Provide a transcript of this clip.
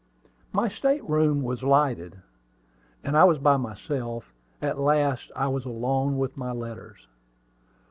My state room was lighted, and I was by myself. At last I was alone with my letters.